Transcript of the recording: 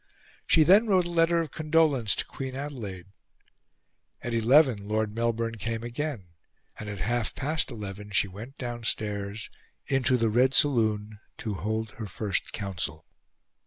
She then wrote a letter of condolence to Queen Adelaide. At eleven, Lord Melbourne came again; and at half past eleven she went downstairs into the red saloon to hold her first Council.